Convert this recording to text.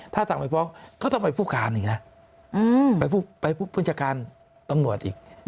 ถ้าสั่งไปฟ้องก็ต้องไปผู้การอีกนะไปผู้จัดการตำรวจอีก